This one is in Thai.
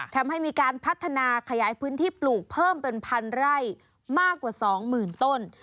ทำให้มีการพัฒนาขยายพื้นที่ปลูกเพิ่มเป็นพันไร่มากกว่า๒๐๐๐ต้น